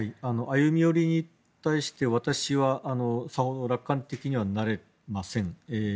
歩み寄りに対して、私はさほど楽観的にはなれません。